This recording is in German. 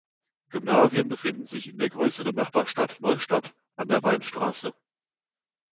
Gymnasien befinden sich in der größeren Nachbarstadt Neustadt an der Weinstraße.